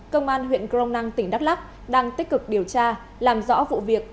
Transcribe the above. công an huyện crong năng tỉnh đắk lắk đang tích cực điều tra làm rõ vụ việc